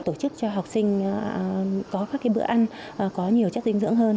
tổ chức cho học sinh có các bữa ăn có nhiều chất dinh dưỡng hơn